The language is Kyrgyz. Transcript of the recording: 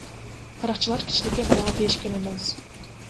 Каракчылар кичинекей балага тийишкен эмес.